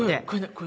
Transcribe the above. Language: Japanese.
これ。